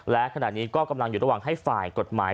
และขณะนี้ก็กำลังอยู่ระหว่างให้ฝ่ายกฎหมาย